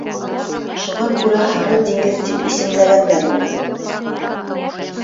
Шуға күрә Һары диңгеҙ тип исемләгәндәр уны.